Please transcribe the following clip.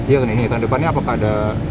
iya tahun depannya apakah ada